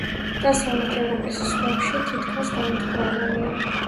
დასავლეთი ევროპის ზღვებში თითქმის განადგურებულია.